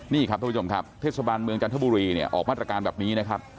นี่ครับทุกผู้ชมครับเทศบาลเมืองจันทบุรีเนี่ยออกมาตรการแบบนี้นะครับ